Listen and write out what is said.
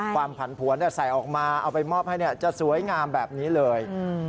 ผันผวนใส่ออกมาเอาไปมอบให้จะสวยงามแบบนี้เลย